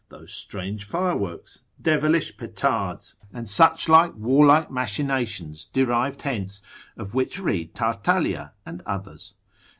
those strange fireworks, devilish petards, and such like warlike machinations derived hence, of which read Tartalea and others.